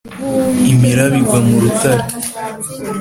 imiraba igwa mu rutare.